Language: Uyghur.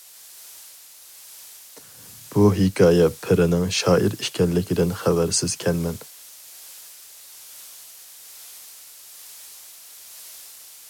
بۇ ھېكايە پىرىنىڭ شائىر ئىكەنلىكىدىن خەۋەرسىزكەنمەن!